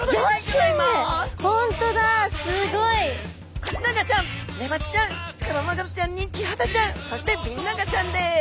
コシナガちゃんメバチちゃんクロマグロちゃんにキハダちゃんそしてビンナガちゃんです。